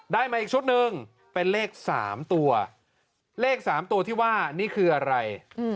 มาอีกชุดหนึ่งเป็นเลข๓ตัวเลข๓ตัวที่ว่านี่คืออะไร